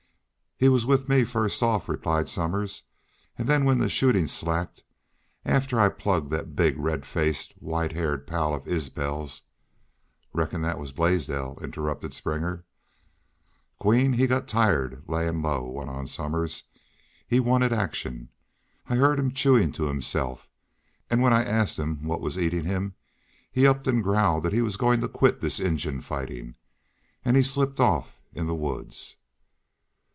"He was with me fust off," replied Somers. "An' then when the shootin' slacked after I'd plugged thet big, red faced, white haired pal of Isbel's " "Reckon thet was Blaisdell," interrupted Springer. "Queen he got tired layin' low," went on Somers. "He wanted action. I heerd him chewin' to himself, an' when I asked him what was eatin' him he up an' growled he was goin' to quit this Injun fightin'. An' he slipped off in the woods."